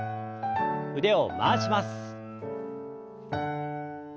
腕を回します。